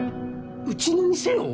うちの店を？